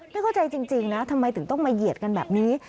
ไม่เข้าใจจริงนะทำไมถึงต้องมาเหยียดกันแบบนี้